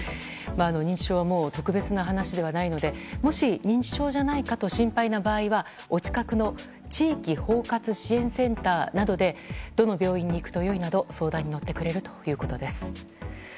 認知症はもう特別な話ではないのでもし認知症じゃないかと心配な場合はお近くの地域包括支援センターなどでどの病院に行くとよいなど相談に乗ってくれるということです。